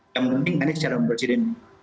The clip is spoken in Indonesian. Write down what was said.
yang penting anies secara presiden